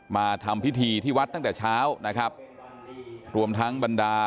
มาทำพิธีที่วัดตั้งแต่เช้า